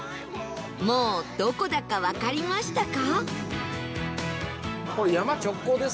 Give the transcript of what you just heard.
もうどこだかわかりましたか？